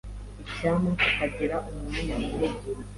Icyampa tukagira umwanya munini.